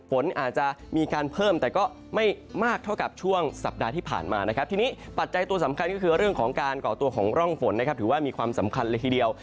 ฝนอาจจะมีการเพิ่มแต่ก็ไม่มากเท่ากับช่วงสัปดาห์ที่ผ่านมานะครับทีนี้ปัจจัยตัวสำคัญก็คือเรื่องของการก่อตัวของร่องฝนนะครับถือว่ามีความสำคัญเลยทีเดียว